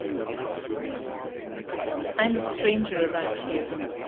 I'm the stranger around here.